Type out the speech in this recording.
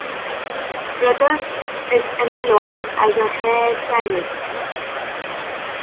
Brothers is employed as a hair stylist.